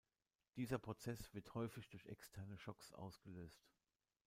Dieser Prozess wird häufig durch externe Schocks ausgelöst.